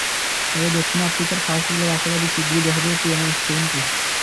তবে দক্ষিণ আফ্রিকার ফাস্ট বোলার আশাবাদী, শিগগিরই দেখা যাবে পুরোনো স্টেইনকে।